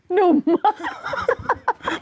หนุ่มมาก